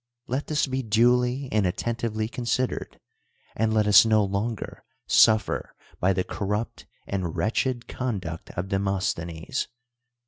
Let this be duly and attentively considered, and let us no longer suffer by the corrupt and wretched coridnct of Dr'inostlK'nes.